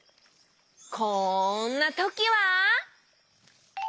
こんなときは。